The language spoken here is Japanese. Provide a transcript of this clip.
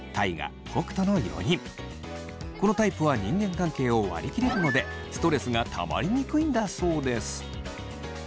このタイプは人間関係を割り切れるのでストレスがたまりにくいんだそうです。